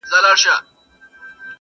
بد مرغۍ وي هغه ورځ وطن وهلی -